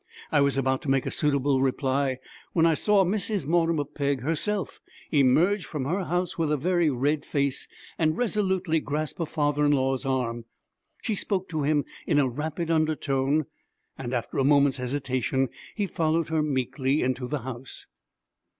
I was about to make a suitable reply when I saw Mrs. Mortimer Pegg, herself, emerge from her house with a very red face, and resolutely grasp her father in law's arm. She spoke to him in a rapid undertone, and, after a moment's hesitation, he followed her meekly into the house.